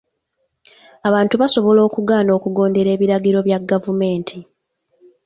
Abantu basobola okugaana okugondera ebiragiro bya gavumenti.